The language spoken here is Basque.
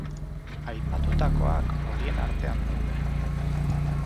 Aipatutakoak horien artean daude.